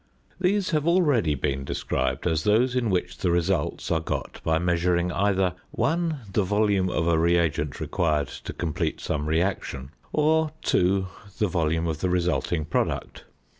These have been already described as those in which the results are got by measuring, either (1) the volume of a reagent required to complete some reaction, or (2) the volume of the resulting product.